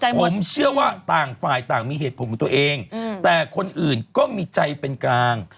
ผมเชื่อว่าต่างฝ่ายต่างมีเหตุผลของตัวเองแต่คนอื่นก็มีใจเป็นกลาง